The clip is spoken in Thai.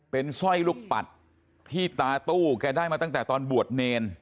เป็นสร้อยลูกปัดที่ตาตู้แกได้มาตั้งแต่ตอนบวชเนร